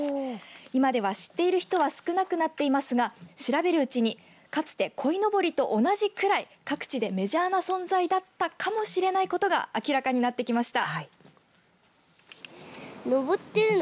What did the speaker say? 今では知っている人は少なくなっていますが調べるうちに、かつてこいのぼりと同じぐらい各地でメジャーな存在だったかもしれないことが明らかになってきました。